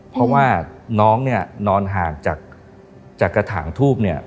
เพราะว่าน้องเนี่ยนอนห่างจากกระถางทูบเนี่ย